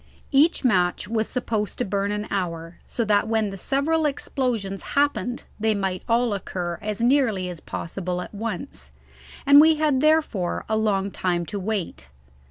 Each match was supposed to burn an hour, so that when the several explosions happened they might all occur as nearly as possible at once, and we had therefore a long time to wait.